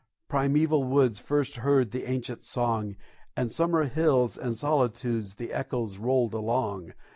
Primeval woods First heard the ancient song, And summer hills and solitudes The echoes rolled along.